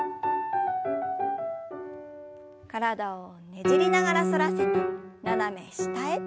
体をねじりながら反らせて斜め下へ。